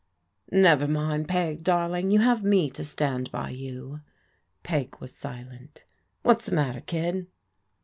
" Never mind. Peg darlmg, you'll have me to stand by you. Peg was silent. " What's the matter, kid?